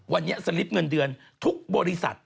วันนี้สลิปเงินเดือนทุกบริษัท